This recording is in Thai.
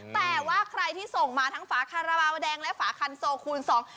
แต่ว่าใครที่ส่งมาทั้งฝาคาราบาลแดงและฝาคันโซคูณสอง